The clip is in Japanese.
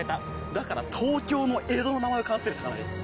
だから東京の江戸の名前を冠する魚です。